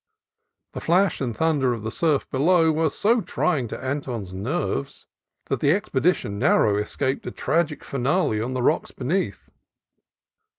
The flash and thunder of the surf below were so trying to Anton's nerves that the expedition nar rowly escaped a tragic finale on the rocks beneath.